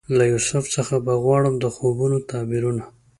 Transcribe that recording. له یوسف څخه به غواړم د خوبونو تعبیرونه